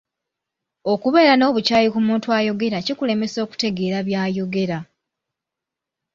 Okubeera n'obukyayi ku muntu ayogera kikulemesa okutegeera by'ayogera.